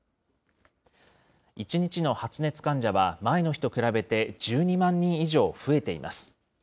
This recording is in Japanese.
１日の発熱患者は前の日と比べて、１２万人以上増えています。